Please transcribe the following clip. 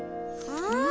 うん。